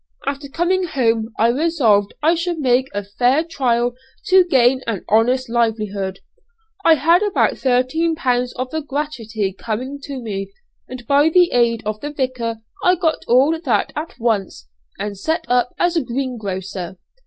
After coming home I resolved I should make a fair trial to gain an honest livelihood. I had about thirteen pounds of a gratuity coming to me, and by the aid of the vicar I got all that at once, and set up as a greengrocer.